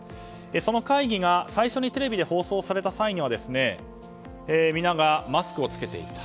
その会議が最初にテレビで放送された際には皆がマスクを着けていた。